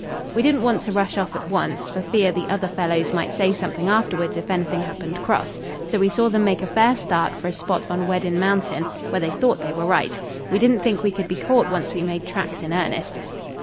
We didn't want to rush off at once, for fear the other fellows might say something afterwards if anything happened cross. So we saw them make a fair start for a spot on Weddin Mountain, where they thought they were right. We didn't think we could be caught once we made tracks in earnest.